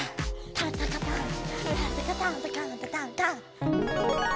タンタカタンタンタカタンタカンタタンタン。